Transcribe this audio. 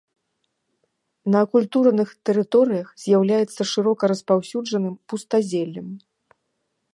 На акультураных тэрыторыях з'яўляецца шырока распаўсюджаным пустазеллем.